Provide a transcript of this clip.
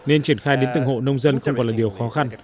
nên triển khai đến từng hộ nông dân không còn là điều khó khăn